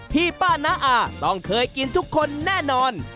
พี่ป้าน้าอาต้องเคยกินทุกคนแน่นอน